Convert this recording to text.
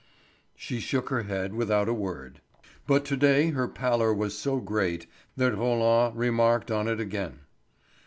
She shook her head without a word. But to day her pallor was so great that Roland remarked on it again.